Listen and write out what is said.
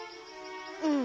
うん。